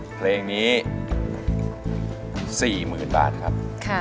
เพลงนี้๔๐๐๐บาทครับ